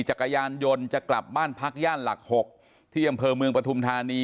จักรยานยนต์จะกลับบ้านพักย่านหลัก๖ที่อำเภอเมืองปฐุมธานี